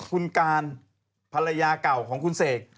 คุณการภรรยาเก่าของคุณเสก